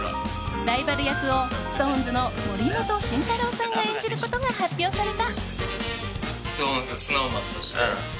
ライバル役をＳｉｘＴＯＮＥＳの森本慎太郎さんが演じることが発表された。